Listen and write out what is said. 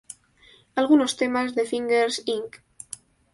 Algunos temas de Fingers Inc.